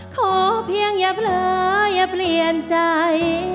ขอเพียงอย่าเผลออย่าเปลี่ยนใจ